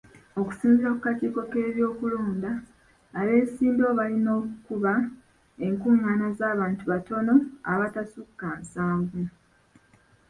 Okusinziira ku kakiiko k'ebyokulonda, abeesimbyewo balina okukuba enkung'aana z'abantu batontono abatasukka nsanvu.